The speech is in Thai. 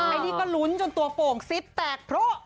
อันนี้ก็ลุ้นจนตัวโป่งซิปแตกเพราะ